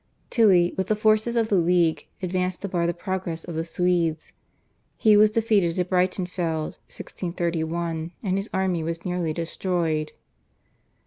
Tilly with the forces of the /League/ advanced to bar the progress of the Swedes. He was defeated at Breitenfeld (1631) and his army was nearly destroyed.